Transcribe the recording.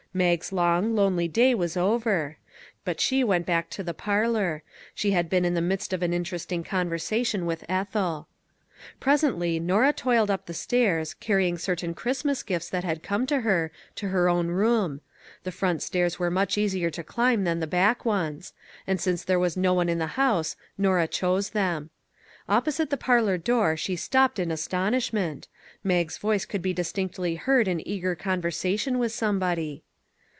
Mag's long, lonely day was over ; but she went back to the parlor ; she had been in the midst of an interesting con versation with Ethel. Presently Norah toiled up the stairs, carrying certain Christmas gifts that had come to her, to her own room. The front stairs were much easier to climb than the back ones; and since there was no one in the house, Norah chose them. Opposite the parlor door she stopped in astonishment. Mag's voice could be distinctly heard in eager conversation with somebody.